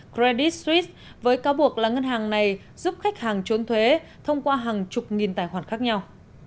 nhân hàng thụy sĩ credit suisse với cáo buộc là ngân hàng này giúp khách hàng trốn thuế thông qua hàng chục nghìn tài khoản khác nhau